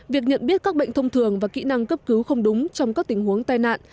việc nhận biết các bệnh thông thường và kỹ năng cấp cứu không đúng trong các tình huống tai nạn